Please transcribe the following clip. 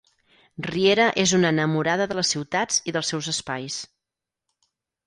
Riera és una enamorada de les ciutats i dels seus espais.